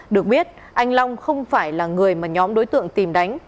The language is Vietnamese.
được biết anh long không phải là người mà nhóm đối tượng tìm đánh